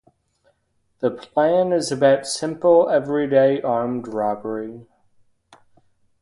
The plan is about simple everyday armed robbery.